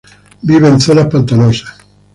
Vive en zonas pantanosas.